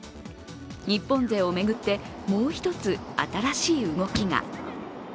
日本勢を巡って、もう一つ新しい動きが。